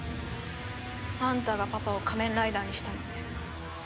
あんたがパパを仮面ライダーにしたのね。